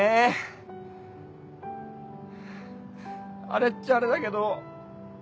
あれっちゃあれだけど。